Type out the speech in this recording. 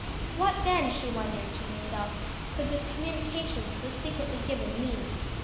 What, then, she wondered to herself, could this communication so secretly given mean?